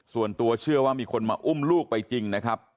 ส่วนตัวเชื่อว่ามีคนมาอุ้มลูกไปจริงนะครับ